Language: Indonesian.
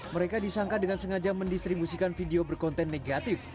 mereka disangka dengan sengaja mendistribusikan video berkonten negatif